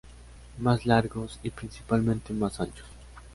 Más largos y, principalmente, más anchos.